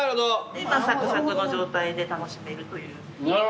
さくさくの状態で楽しめるという。